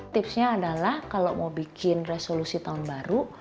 tipsnya adalah kalau mau bikin resolusi tahun baru